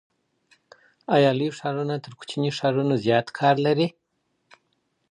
آیا لوی ښارونه تر کوچنیو ښارونو زیات کار لري؟